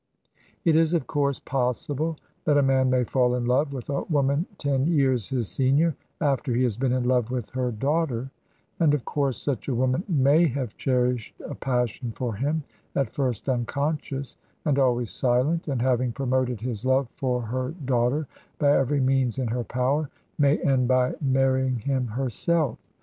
It is, of course, possible that a man may fall in love with a woman ten years his senior, after he has been in love with her daughter; and of course such a woman may have cherished a passion for him, at first unconscious, and always silent, and, having promoted his love for her daughter by every means in her power, may end by marrying him herself.